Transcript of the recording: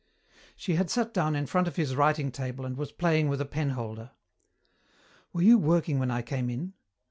She had sat down in front of his writing table and was playing with a penholder. "Were you working when I came in?